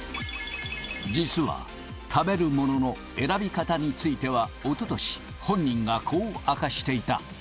実は食べるものの選び方については、おととし、本人がこう明かしていた。